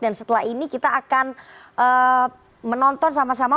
dan setelah ini kita akan menonton sama sama